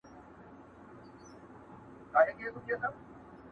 قنلدر ته په زاريو غلبلو سو!!